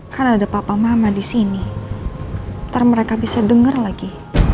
kan ada papa mama disini nanti mereka bisa denger lagi